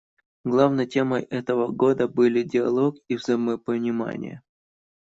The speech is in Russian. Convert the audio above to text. Главной темой этого Года были диалог и взаимопонимание.